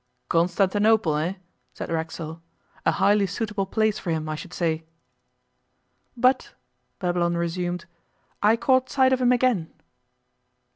'Constantinople, eh!' said Racksole. 'A highly suitable place for him, I should say.' 'But,' Babylon resumed, 'I caught sight of him again.